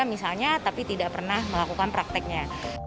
misalnya tapi tidak pernah melakukan prakteknya